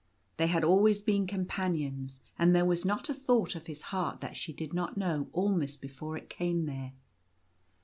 They had always been companions, and there was not a thought of his heart that she did not know almost before it came there.